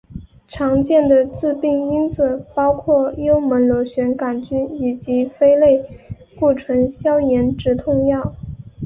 常见的致病因子包括幽门螺旋杆菌以及非类固醇消炎止痛药。